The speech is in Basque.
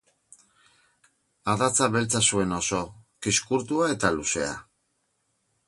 Adatsa beltza zuen oso, kizkurtua eta luzea.